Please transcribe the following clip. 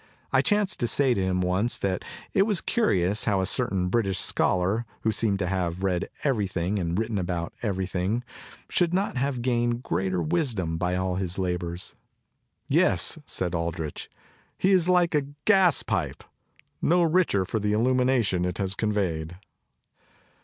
I chanced to say to him once that it was curious how a certain British scholar, who seemed to have read everything and written about every thing, should not have gained greater wisdom l.y all his labors. "Yes," said Aldrich, "he is like a gaspipe, no richer for the illumination it has conveyed."